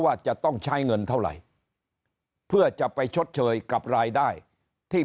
ว่าจะต้องใช้เงินเท่าไหร่เพื่อจะไปชดเชยกับรายได้ที่